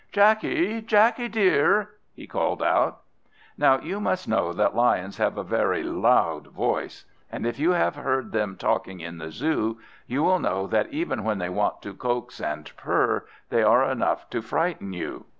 Jackie, Jackie dear!" he called out. Now you must know that Lions have a very loud voice, and, if you have heard them talking in the Zoo, you will know that even when they want to coax and purr they are enough to frighten you.